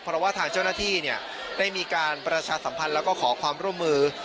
เพราะว่าทางเจ้าหน้าที่ได้มีการประชาสัมพันธ์แล้วก็ขอความร่วมมือ